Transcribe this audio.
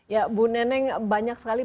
ya bu neneng banyak sekali